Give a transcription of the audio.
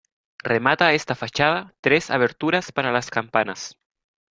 Remata esta fachada tres aberturas para las campanas.